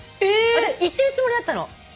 私言ってるつもりだったの。